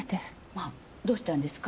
まぁどうしたんですか？